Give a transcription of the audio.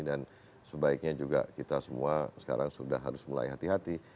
dan sebaiknya juga kita semua sekarang sudah harus mulai hati hati